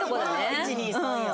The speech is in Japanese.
１２３や。